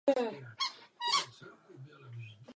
Zbraň ležela vedle ní.